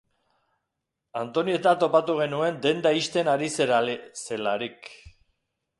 Antonietta topatu genuen denda ixten ari zelarik.